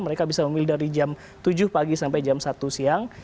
mereka bisa memilih dari jam tujuh pagi sampai jam satu siang